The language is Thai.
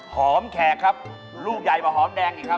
หอมแขกครับลูกใหญ่กว่าหอมแดงอีกครับ